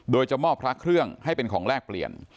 โดยจะมอบพระเครื่องให้เป็นของแลกเปลี่ยน